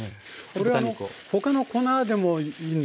これは他の粉でもいいんですか？